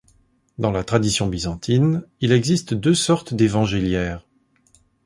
Dans la tradition byzantine, il existe deux sortes d'évangéliaires.